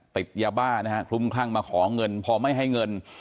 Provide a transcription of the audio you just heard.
ติดยาบ้านะฮะคลุ้มคลั่งมาขอเงินพอไม่ให้เงิน